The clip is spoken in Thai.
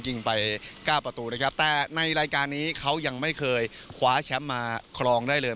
ยิงไปเก้าประตูนะครับแต่ในรายการนี้เขายังไม่เคยคว้าแชมป์มาครองได้เลย